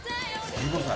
「１５歳？」